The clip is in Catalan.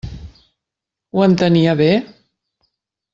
Ho entenia bé?